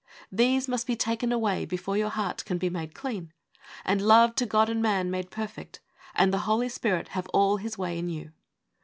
These must be taken away before your heart can be made clean, and love to God and man made perfect, and the Holy Spirit have all His way in you.